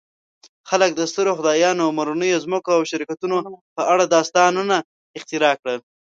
خلک د سترو خدایانو، مورنیو ځمکو او شرکتونو په اړه داستانونه اختراع کړل.